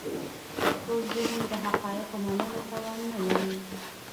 کوږ ذهن د حقایقو منلو توان نه لري